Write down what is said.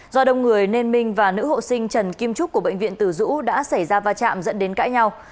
do đông người nên minh và nữ hộ sinh trần kim trúc của bệnh viện tử dũ đã xảy ra va chạm dẫn đến cãi nhau